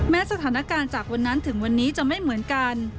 สถานการณ์จากวันนั้นถึงวันนี้จะไม่เหมือนกัน